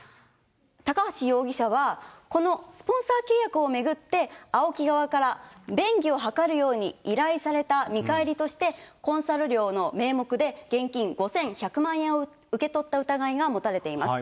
高橋容疑者は、このスポンサー契約を巡って、ＡＯＫＩ側から便宜を図るように依頼された見返りとして、コンサル料の名目で、現金５１００万円を受け取った疑いが持たれています。